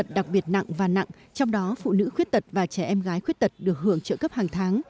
trong đó phụ nữ khuyết tật và trẻ em gái khuyết tật được hưởng trợ cấp hàng tháng